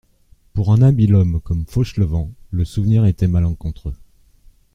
Pour un habile homme comme Fauchelevent, le souvenir était malencontreux.